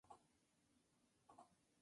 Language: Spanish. Para ser honesto, era el dinero.